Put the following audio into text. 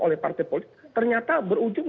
oleh partai politik ternyata berujung